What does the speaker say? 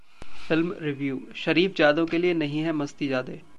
Film Review: शरीफजादों के लिए नहीं है 'मस्तीजादे'